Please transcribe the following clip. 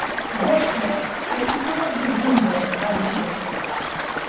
Vert-clair, elles se colorent de jaune d'or à l'automne.